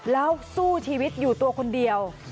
แล้วสู้ชีวิตอยู่ตัวคนเดียว